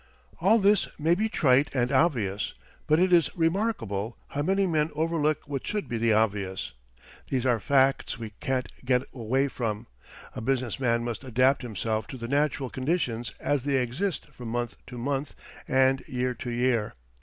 All this may be trite and obvious, but it is remarkable how many men overlook what should be the obvious. These are facts we can't get away from a business man must adapt himself to the natural conditions as they exist from month to month and year to year.